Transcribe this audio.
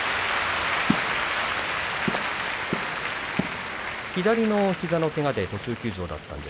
拍手左の膝のけがで途中休場でした。